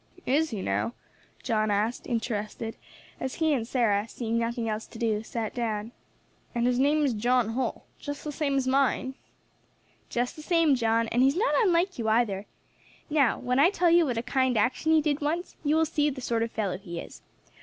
"Is he, now?" John asked, interested, as he and Sarah, seeing nothing else to do, sat down. "And his name is John Holl, just the same as mine?" "Just the same, John, and he's not unlike you either. Now, when I tell you what a kind action he did once, you will see the sort of fellow he is.